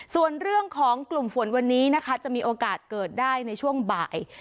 ส่วนเรื่องของกลุ่มฝนวันนี้นะคะจะมีโอกาสเกิดได้ในช่วงบ่าย